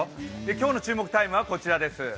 今日の注目タイムはこちらです。